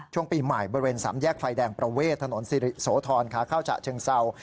ช่วงปีใหม่บริเวณสามแยกไฟแดงประเวทถนนสิริโสธรขาเข้าฉะเชิงเศร้า